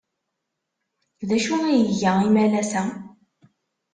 D acu ay iga imalas-a?